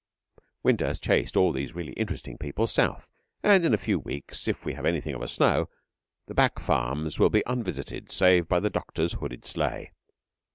Winter has chased all these really interesting people south, and in a few weeks, if we have anything of a snow, the back farms will be unvisited save by the doctor's hooded sleigh.